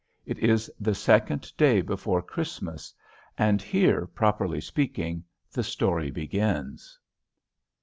It is the second day before Christmas; and here, properly speaking, the story begins.